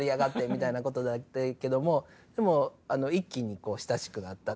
みたいなことになってんけどもでも一気にこう親しくなった。